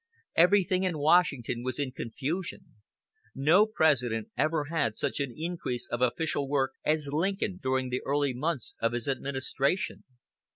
Everything in Washington was in confusion. No President ever had such an increase of official work as Lincoln during the early months of his administration.